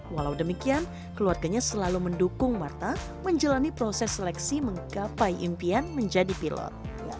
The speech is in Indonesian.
walau demikian keluarganya selalu mendukung marta menjalani proses seleksi menggapai impian menjadi pilot